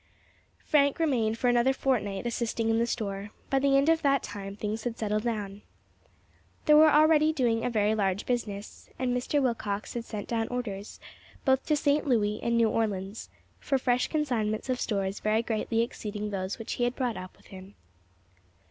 Frank remained for another fortnight assisting in the store; by the end of that time things had settled down. They were already doing a very large business, and Mr. Willcox had sent down orders, both to St. Louis and New Orleans, for fresh consignments of stores very greatly exceeding those which he had brought up with him.